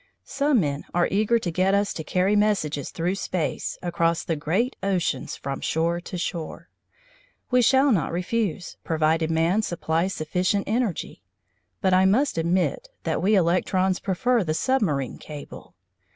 Some men are eager to get us to carry messages through space across the great oceans from shore to shore. We shall not refuse, provided man supplies sufficient energy, but I must admit that we electrons prefer the submarine cable.